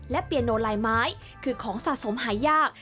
และเปียโนลายไม้คือของสะสมหายาก